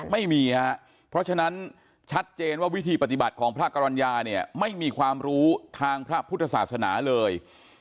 ไม่มีครับเพราะฉะนั้นชัดเจนว่าวิธีปฏิบัติของพระกรรณญาเนี่ยไม่มีความรู้ทางพระพุทธศาสนาเลย